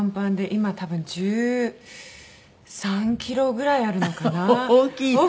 今多分１３キロぐらいあるのかな？大きいね！